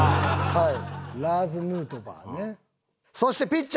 はい。